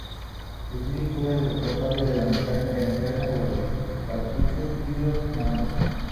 Smith fue el responsable de la mecánica interna de los cartuchos y los mandos.